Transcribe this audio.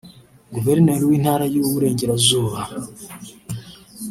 Guverineri w’Intara y’u Burengerazuba